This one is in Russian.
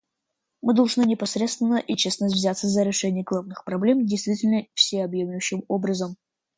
Мы должны непосредственно и честно взяться за решение главных проблем действительно всеобъемлющим образом.